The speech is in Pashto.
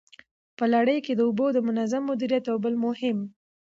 په لړۍ کي د اوبو د منظم مديريت يو بل مهم